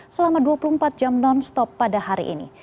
selama dua puluh empat jam non stop pada hari ini